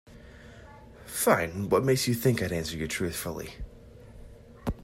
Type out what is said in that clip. Fine, what makes you think I'd answer you truthfully?